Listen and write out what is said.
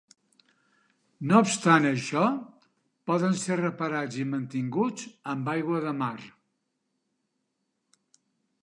No obstant això, poden ser reparats i mantinguts amb aigua de mar.